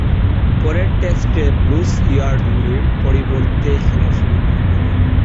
পরের টেস্টে ব্রুস ইয়ার্ডলি’র পরিবর্তে খেলার সুযোগ পান তিনি।